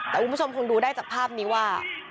แต่คุณผู้ชมคงดูได้จากภาพนี้ว่า